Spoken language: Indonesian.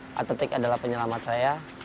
saya atletik adalah penyelamat saya